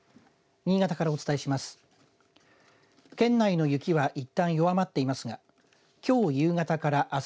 新潟からお伝えします。